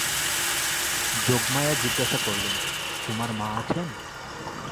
যোগমায়া জিজ্ঞাসা করলেন, তোমার মা আছেন?